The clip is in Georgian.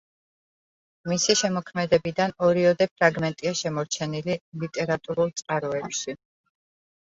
მისი შემოქმედებიდან ორიოდე ფრაგმენტია შემორჩენილი ლიტერატურულ წყაროებში.